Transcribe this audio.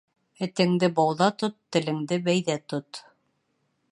Этеңде бауҙа тот, теленде бәйҙә тот.